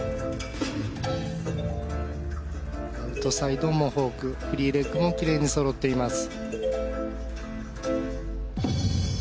アウトサイドモホークフリーレッグもきれいにそろっています。